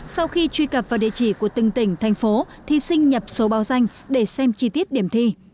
sau khi truy cập vào địa chỉ của từng tỉnh thành phố thí sinh nhập số báo danh để xem chi tiết điểm thi